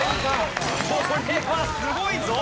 これはすごいぞ！